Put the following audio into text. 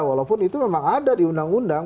walaupun itu memang ada di undang undang